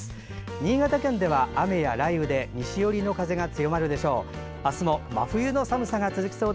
新潟県では雨や雷雨で西寄りの風が強まるでしょう。